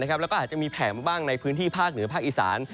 แล้วก็อาจจะมีแผ่มาบ้างในพื้นที่ภาคเหนือภาคอีสาน